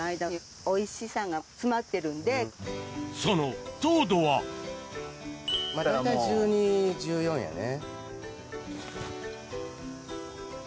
その糖度は大体１２１４やね。